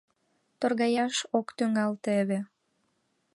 Торгаяш ок тӱҥал теве!